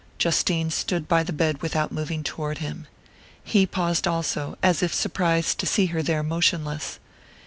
Justine stood by the bed without moving toward him. He paused also, as if surprised to see her there motionless.